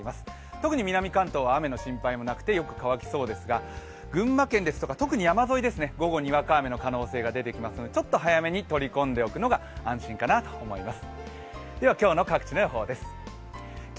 特に南関東は雨の心配もなくてよく乾きそうですが、群馬県ですとか特に山沿い、午後、にわか雨の可能性が出てきますのでちょっと早めに取り込んでおくのが安心かなと思います。